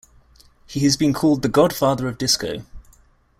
He has been called "the Godfather of disco".